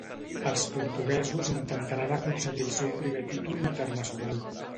Els portuguesos intentaran aconseguir el seu primer títol internacional.